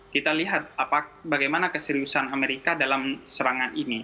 kita lihat bagaimana keseriusan amerika dalam serangan ini